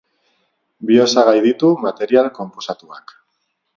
Bi osagai ditu material konposatuak.